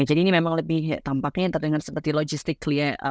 jadi ini memang lebih tampaknya terdengar seperti logistik